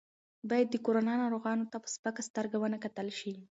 باید د کرونا ناروغانو ته په سپکه سترګه ونه کتل شي.